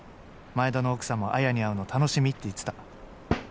前田の奥さんも彩に会うの楽しみって言ってた」。